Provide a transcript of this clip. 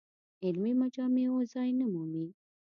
علمي مجامعو ځای نه مومي.